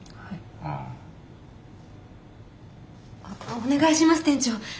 お願いします店長。